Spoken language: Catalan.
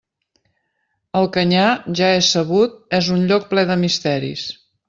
El canyar, ja és sabut, és un lloc ple de misteris.